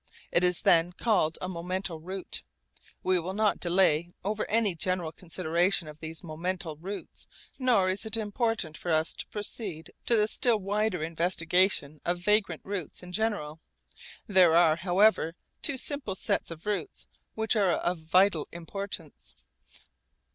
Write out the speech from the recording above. It is then called a 'momental route.' We will not delay over any general consideration of these momental routes, nor is it important for us to proceed to the still wider investigation of vagrant routes in general. There are however two simple sets of routes which are of vital importance.